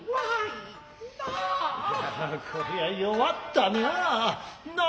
こりゃ弱ったな。